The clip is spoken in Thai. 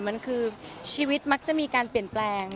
มันคือชีวิตมักจะมีการเปลี่ยนแปลง